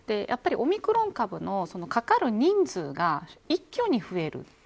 オミクロン株のかかる人数が一挙に増える。